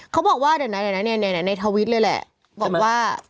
เขาบอกว่าในทวิตเลยแหละ